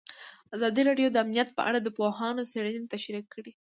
ازادي راډیو د امنیت په اړه د پوهانو څېړنې تشریح کړې.